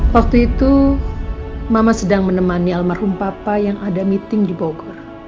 waktu itu mama sedang menemani almarhum papa yang ada meeting di bogor